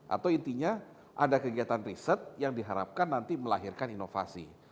atau intinya ada kegiatan riset yang diharapkan nanti melahirkan inovasi